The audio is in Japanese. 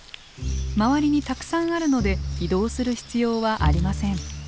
周りにたくさんあるので移動する必要はありません。